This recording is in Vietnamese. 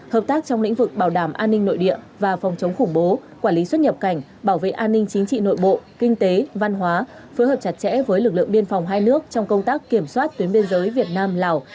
hợp tác trong lĩnh vực bảo đảm an ninh nội địa và phòng chống khủng bố quản lý xuất nhập cảnh bảo vệ an ninh chính trị nội bộ kinh tế văn hóa phối hợp chặt chẽ với lực lượng biên phòng hai nước trong công tác kiểm soát tuyến biên giới việt nam lào